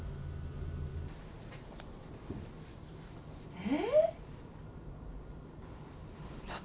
えっ？